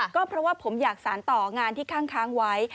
ก็เพราะว่าผมอยากสารต่องานที่ข้างไว้